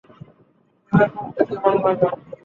প্রেমে পড়তে কেমন লাগে।